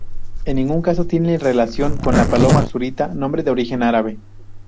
En ningún caso tiene relación con la paloma zurita, nombre de origen árabe.